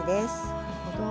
なるほど。